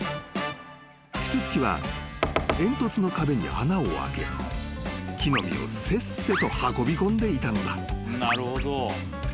［キツツキは煙突の壁に穴を開け木の実をせっせと運びこんでいたのだ］